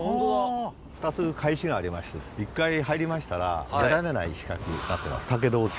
２つカエシがありまして一回入りましたら出られない仕掛けになってます。